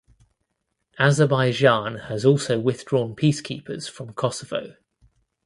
Azerbaijan has also withdrawn peacekeepers from Kosovo.